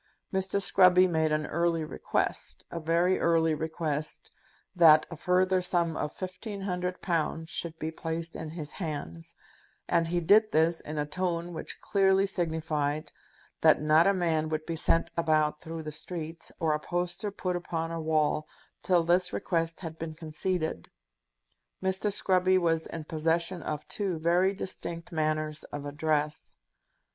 Mr. Scruby made an early request, a very early request, that a further sum of fifteen hundred pounds should be placed in his hands; and he did this in a tone which clearly signified that not a man would be sent about through the streets, or a poster put upon a wall, till this request had been conceded. Mr. Scruby was in possession of two very distinct manners of address.